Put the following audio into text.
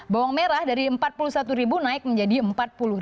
bawang merah dari rp empat puluh satu naik menjadi rp empat puluh